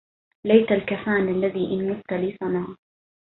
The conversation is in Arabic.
ليت الكفان الذي إن مت لي صنعا